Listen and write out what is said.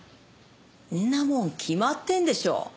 そんなもん決まってるでしょ。